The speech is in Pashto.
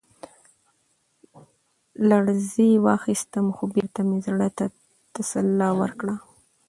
لـړزې واخيسـتم ، خـو بـېرته مـې زړه تـه تـسلا ورکړه.